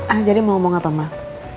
ah jadi mau ngomong apa mak